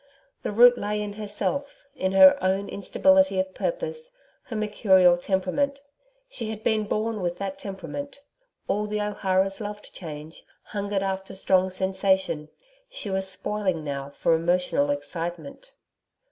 The root lay in herself in her own instability of purpose, her mercurial temperament. She had been born with that temperament. All the O'Haras loved change hungered after strong sensation. She was spoiling now for emotional excitement.